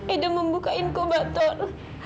edo membuka inkubator